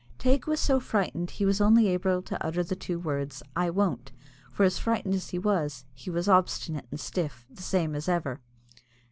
Teig was so frightened that he was only able to utter the two words, "I won't;" for as frightened as he was, he was obstinate and stiff, the same as ever.